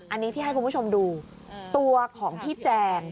อันนี้ที่ให้คุณผู้ชมดูตัวของพี่แจง